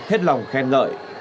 hết lòng khen lợi